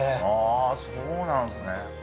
そうなんですね。